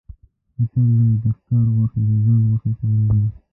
متل دی: د ښکار غوښې د ځان غوښې خوړل دي.